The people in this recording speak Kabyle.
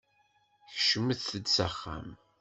Kecmet-d s axxam!